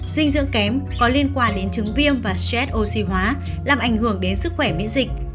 dinh dưỡng kém có liên quan đến chứng viêm và stress oxy hóa làm ảnh hưởng đến sức khỏe miễn dịch